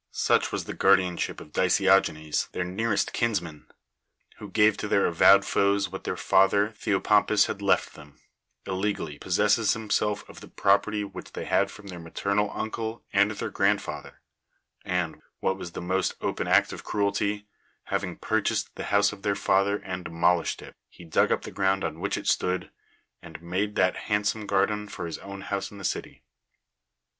Such was the guardianship of Dicasogenes their nearest kinsman ! who gave to their avowed foes what their father Theopompus had left them, illegally possesses himself of the property which tliey had from their maternal uncle and their grandfather; and (what was the most open act of cruelty) having purchased the house of their father and demolished it, he dug up the ground on which it stood, and made that handsome gar den for his own house in the city.